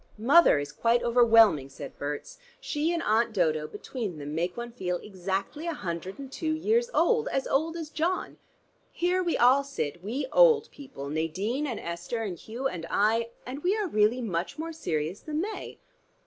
"Mother is quite overwhelming," said Berts. "She and Aunt Dodo between them make one feel exactly a hundred and two years old, as old as John. Here we all sit, we old people, Nadine and Esther and Hugh and I, and we are really much more serious than they."